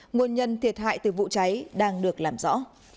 nguồn nhân thiệt hại từ vụ cháy đang được làm rõ